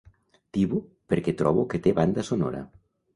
Tibo perquè trobo que té banda sonora.